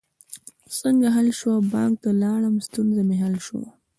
څنګه حل شوه؟ بانک ته لاړم، ستونزه می حل شوه